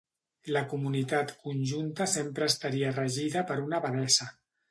La comunitat conjunta sempre estaria regida per una abadessa.